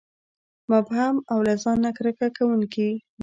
مبهم او له ځان نه کرکه کوونکي وي.